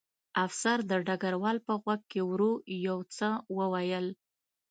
افسر د ډګروال په غوږ کې ورو یو څه وویل